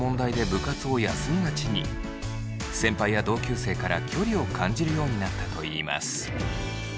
先輩や同級生から距離を感じるようになったといいます。